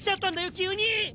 急に！